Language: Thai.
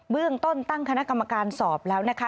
เรื่องต้นตั้งคณะกรรมการสอบแล้วนะคะ